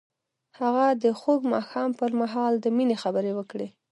هغه د خوږ ماښام پر مهال د مینې خبرې وکړې.